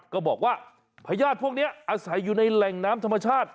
ก็บอกว่าพญาติพวกนี้อาศัยอยู่ในแหล่งน้ำธรรมชาติ